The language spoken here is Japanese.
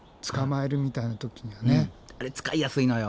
あれ使いやすいのよ。